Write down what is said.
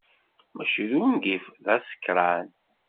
Mačči d ungif, d asekṛan.